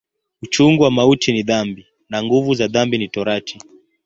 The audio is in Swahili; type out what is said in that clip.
Uchungu wa mauti ni dhambi, na nguvu za dhambi ni Torati.